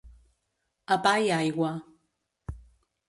A pa i aigua.